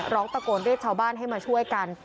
ล็อกตะโกนเด็จชาวบ้านให้มาช่วยกัน